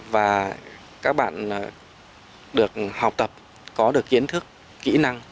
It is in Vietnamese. và các bạn được học tập có được kiến thức kỹ năng